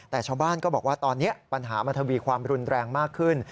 แต่ชาวบ้านก็บอกว่าตอนนี้ปัญหามันทวีความรุนแรงมากขึ้น